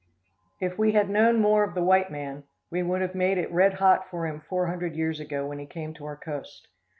If we had known more of the white man, we would have made it red hot for him four hundred years ago when he came to our coast.